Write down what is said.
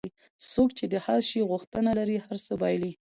څوک چې د هر شي غوښتنه لري هر څه بایلي.